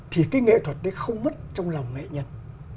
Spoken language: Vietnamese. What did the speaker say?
thì cái nghệ thuật đấy không mất trong lòng nghệ nhân